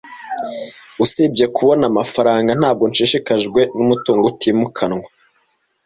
Usibye kubona amafaranga, ntabwo nshishikajwe numutungo utimukanwa.